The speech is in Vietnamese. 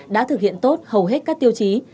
đã thực hiện tốt hầu hết các tiêu chí